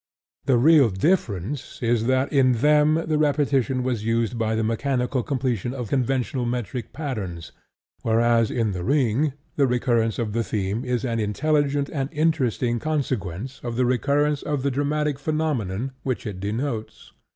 The real difference is that in them the repetition was used for the mechanical completion of conventional metric patterns, whereas in The Ring the recurrence of the theme is an intelligent and interesting consequence of the recurrence of the dramatic phenomenon which it denotes.